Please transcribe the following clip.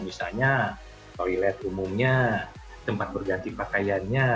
misalnya toilet umumnya tempat berganti pakaiannya